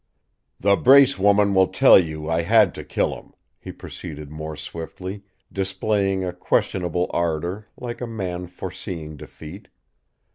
"The Brace woman will tell you I had to kill him," he proceeded more swiftly, displaying a questionable ardour, like a man foreseeing defeat.